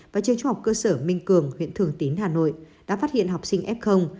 và trường trung học cơ sở minh cường huyện thường tín hà nội đã phát hiện học sinh f